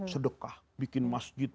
sedekah bikin masjid